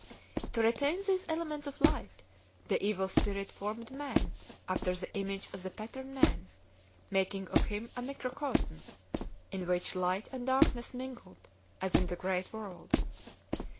To retain these elements of light, the Evil Spirit formed man after the image of the pattern man, making of him a microcosm, in which light and darkness mingled as in the great world.